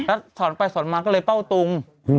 แล้วสอนไปสอนมาก็เลยเป้าตุง